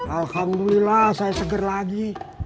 alhamdulillah saya seger lagi